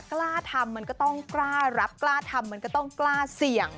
กล้าทำมันก็ต้องกล้ารับกล้าทำมันก็ต้องกล้าเสี่ยง